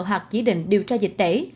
hoặc chỉ định điều tra dịch tễ